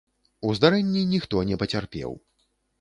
У здарэнні ніхто не пацярпеў.